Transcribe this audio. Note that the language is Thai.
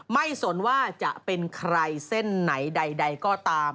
สนว่าจะเป็นใครเส้นไหนใดก็ตาม